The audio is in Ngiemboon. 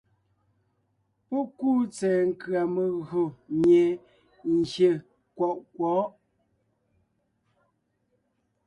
Pɔ́ kúu tsɛ̀ɛ nkʉ̀a megÿò mie gyè kwɔʼ kwɔ̌ʼ.